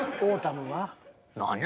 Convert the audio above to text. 何や？